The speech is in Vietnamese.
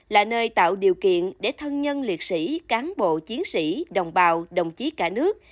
là nơi tạo điều kiện để thân nhân liệt sĩ cán bộ chiến sĩ đồng bào đồng chí cả nước